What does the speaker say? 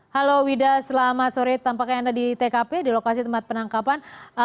halo wida selamat sore tampaknya anda di tkp di lokasi tempat penangkapan